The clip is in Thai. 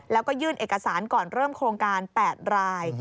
แล้วก็ยื่นเอกสารก่อนเริ่มโครงการ๘ราย